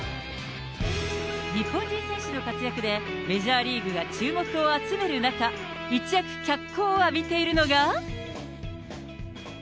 日本人選手の活躍で、メジャーリーグが注目を集める中、一躍脚光を浴びているのが。